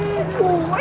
bisa gue sih ya